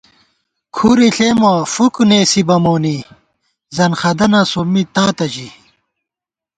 کھُرے ݪېمہ فُک نېسِبہ مونی ځنخَدَنہ سومّی تاتہ ژِی